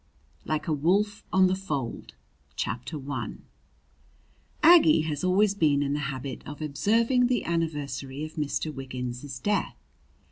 LIKE A WOLF ON THE FOLD I Aggie has always been in the habit of observing the anniversary of Mr. Wiggins's death.